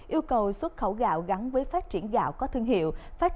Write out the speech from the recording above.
yêu cầu xuất khẩu gạo gắn với phát triển gạo có thương hiệu